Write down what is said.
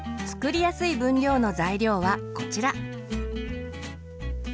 作りやすい分量の材料はこちら。